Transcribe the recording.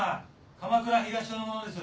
鎌倉東署の者です。